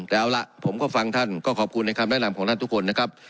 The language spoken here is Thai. แต่เอาล่ะผมก็ฟังท่านก็ขอบคุณในคำแนะนำของท่านทุกคนนะครับ